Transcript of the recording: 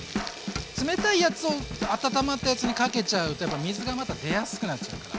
冷たいやつを温まったやつにかけちゃうとやっぱ水がまた出やすくなっちゃうから。